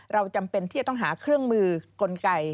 จำเป็นที่จะต้องหาเครื่องมือกลไก